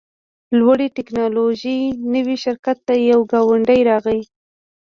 د لوړې ټیکنالوژۍ نوي شرکت ته یو ګاونډی راغی